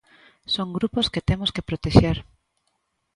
Son grupos que temos que protexer.